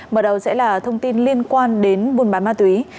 mở đầu sẽ là thông tin liên quan đến buôn bán ma túy